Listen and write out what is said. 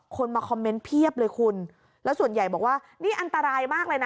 มาคอมเมนต์เพียบเลยคุณแล้วส่วนใหญ่บอกว่านี่อันตรายมากเลยนะ